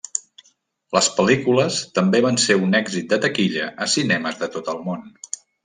Les pel·lícules també van ser un èxit de taquilla a cinemes de tot el món.